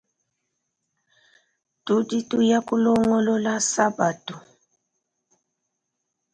Tudi tuya kulongolola sabatu.